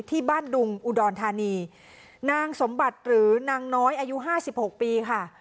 ที่บ้านดุงอุดรธานีนางสมบัติหรือนางน้อยอายุห้าสิบหกปีค่ะ